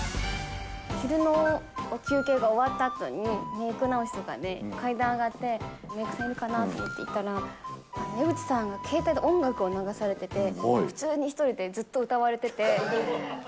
昼の休憩が終わったあとにメーク直しとかで、階段上がって、メークさんいるかなって思って行ったら、江口さんが携帯で音楽を流されてて、普通に１人でずっと歌われていて。